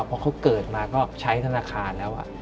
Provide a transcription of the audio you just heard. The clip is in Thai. เพราะเขาเกิดมาก็ใช้ธนาคารแล้ว